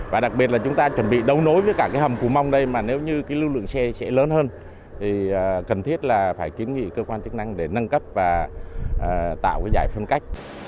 và đặc biệt là chúng ta chuẩn bị đấu nối với cả cái hầm cù mông đây mà nếu như cái lưu lượng xe sẽ lớn hơn thì cần thiết là phải kiến nghị cơ quan chức năng để nâng cấp và tạo cái giải phân cách